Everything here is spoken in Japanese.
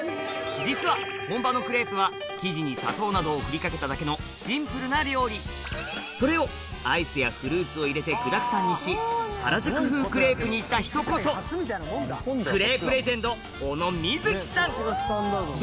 実は本場のクレープは生地に砂糖などを振りかけただけのシンプルな料理それをアイスやフルーツを入れて具だくさんにし原宿風クレープにした人こそが密着！